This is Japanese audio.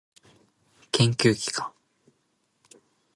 研究機関